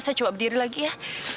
saya coba berdiri lagi ya